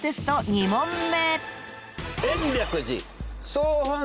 ２問目］